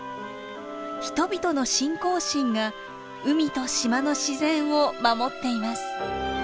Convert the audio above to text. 人々の信仰心が海と島の自然を守っています。